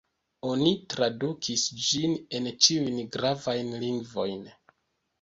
Oni tradukis ĝin en ĉiujn gravajn lingvojn.